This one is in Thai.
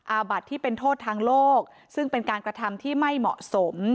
อาบัติที่เป็นโทษทางโลกซึ่งเป็นการกระทำที่ไม่เหมาะสม